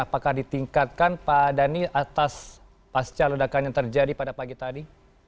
apakah ditingkatkan pak dhani atas pasca ledakan yang terjadi pada pagi tadi